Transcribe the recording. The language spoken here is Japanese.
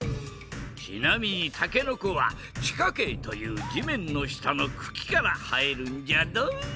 ちなみにたけのこは地下茎というじめんのしたのくきからはえるんじゃドン！